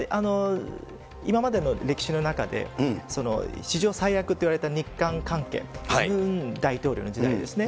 今までの歴史の中で、史上最悪といわれた日韓関係、ムン大統領の時代ですね。